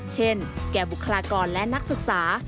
แก่บุคลากรและนักศึกษา